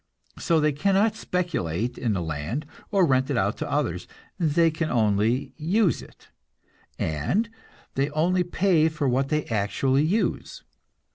So they cannot speculate in the land or rent it out to others; they can only use it, and they only pay for what they actually use.